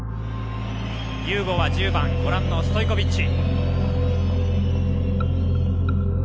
ユーゴは１０番ご覧のストイコビッチ。